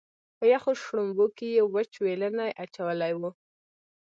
په یخو شړومبو کې یې وچ وېلنی اچولی وي.